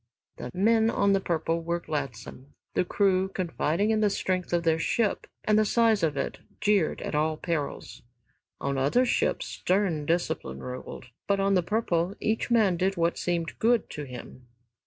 Men on "The Purple" were gladsome. The crew, confiding in the strength of their ship and the size of it, jeered at all perils. On other ships stern discipline ruled, but on "The Purple" each man did what seemed good to him.